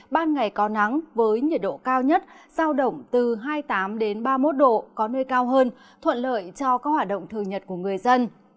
ban ngày có nắng với nhiệt độ cao nhất giao động từ hai mươi tám ba mươi một độ có nơi cao hơn thuận lợi cho các hoạt động thường nhật của người dân